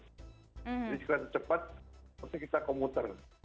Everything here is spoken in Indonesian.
jadi jika cepat pasti kita komuter